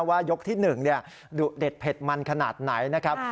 ยกที่๑ดุเด็ดเผ็ดมันขนาดไหนนะครับ